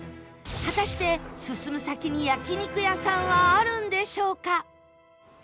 果たして進む先に焼肉屋さんはあるんでしょうか？